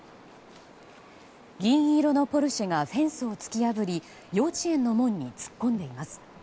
銀色のポルシェがフェンスを突き破り幼稚園の門に突っ込んでいます。